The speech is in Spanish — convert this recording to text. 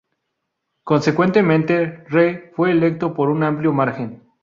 Consecuentemente, Rhee fue electo por un amplio margen.